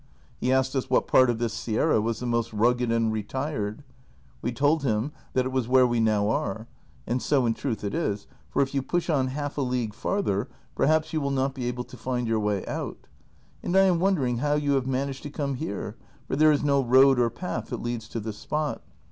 He asked us what part of this sierra was the most rugged and retired ; we told him that it was where we now are ; and so in truth it is, for if you push on half a league farther, perhaps you will not be able to find your way out ; and I am wondering how you have managed to come here, for there is no road or path that leads to this spot.